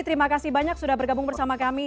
terima kasih banyak sudah bergabung bersama kami